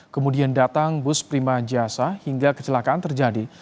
kemudian datang bus prima jasa hingga kecelakaan terjadi